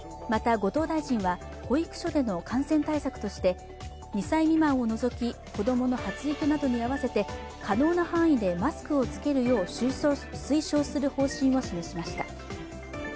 また、後藤大臣は保育所での感染対策として２歳未満を除き子供の発育などに合わせて可能な範囲でマスクを着けるよう推奨する方針を示しました。